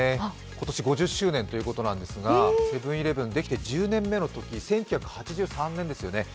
今年５０周年ということなんですがセブン−イレブンできて１０年目のとき１９８３年ですよね